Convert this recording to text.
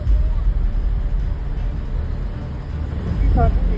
สวัสดีครับคุณผู้ชาย